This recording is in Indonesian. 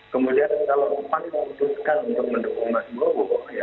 kemudian kalau pak yang memutuskan untuk mendukung mas bowo